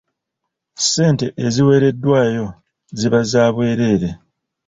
Ssente eziweereddwayo ziba za bwereere.